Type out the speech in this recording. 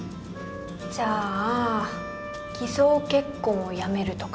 じゃあ偽装結婚をやめるとか